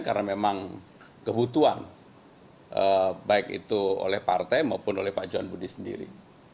karena memang kebutuhan baik itu oleh partai maupun oleh pak johan budi sendiri